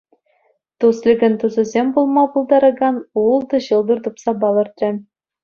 Тусликӑн тусӗсем пулма пултаракан ултӑ ҫӑлтӑр тупса палӑртрӗ.